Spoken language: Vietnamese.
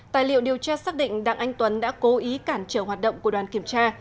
tài liệu điều tra xác định đặng anh tuấn đã cố ý cản trở hoạt động của đoàn kiểm tra